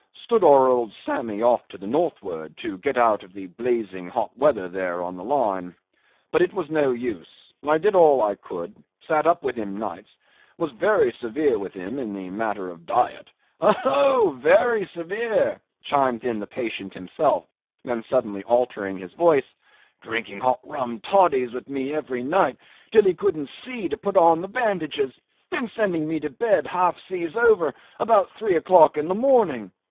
"Stood our old Sammy off to the northward, to get out of the blazing hot weather there on the Line. But it was no use—I did all I could; sat up with him nights; was very severe with him in the matter of diet—" "Oh, very severe!" chimed in the patient himself; then suddenly altering his voice, "Drinking hot rum toddies with me every night, till he couldn't see to put on the bandages; and sending me to bed, half seas over, about three o'clock in the morning.